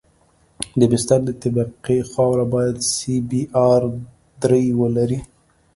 د بستر د طبقې خاوره باید سی بي ار درې ولري